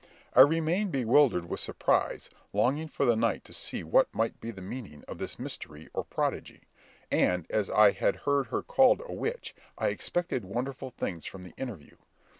I remained bewildered with surprise, longing for the night to see what might be the meaning of this mystery or prodigy, and as I had heard her called a witch, I expected wonderful things from the interview.